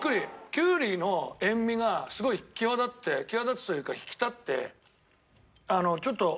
きゅうりの塩味がすごい際立って際立つというか引き立ってちょっと。